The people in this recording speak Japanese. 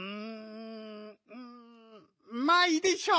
うんまあいいでしょう。